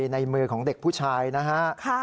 ในมือของเด็กผู้ชายนะฮะ